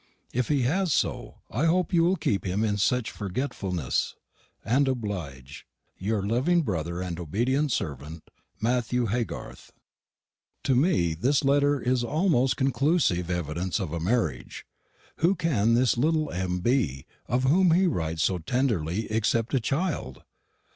If he has so, I hope you wil kepe him in sech forgetfullnesse, and obliage, "Yr loving brother and obediant servent." "MATHEW HAYGARTH." To me this letter is almost conclusive evidence of a marriage. Who can this little M. be, of whom he writes so tenderly, except a child?